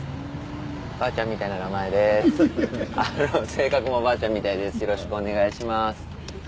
性格もばあちゃんみたいです